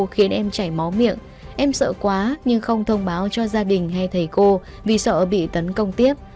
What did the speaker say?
khiến em chảy máu miệng em sợ quá nhưng không thông báo cho gia đình hay thầy cô vì sợ bị tấn công tiếp